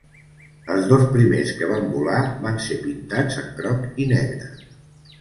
Els dos primers que van volar van ser pintats en groc i negre.